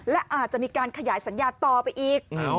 และอาจจะมีการขยายสัญญาต่อไปอีก